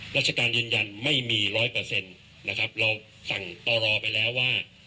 ราชการยืนยันไม่มีร้อยเปอร์เซ็นต์นะครับเราสั่งต่อรอไปแล้วว่า